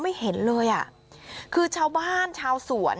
นี่คนลุกมันหยาบจริง